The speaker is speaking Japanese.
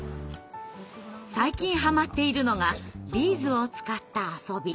最近はまっているのがビーズを使った遊び。